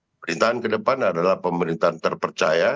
pemerintahan ke depan adalah pemerintahan terpercaya